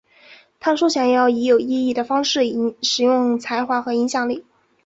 她说想要以有意义的方式使用才华和影响力。